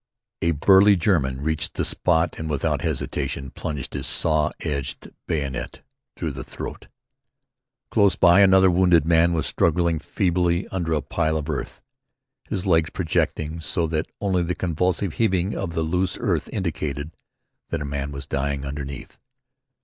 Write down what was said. A burly German reached the spot and without hesitation plunged his saw edged bayonet through the throat. Close by another wounded man was struggling feebly under a pile of earth, his legs projecting so that only the convulsive heaving of the loose earth indicated that a man was dying underneath.